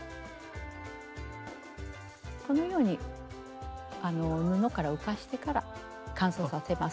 このように布から浮かしてから乾燥させます。